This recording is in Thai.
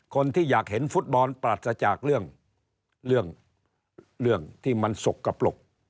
คนที่อยากเห็นฟุตบอลปราศจากเรื่องที่มันสกปรก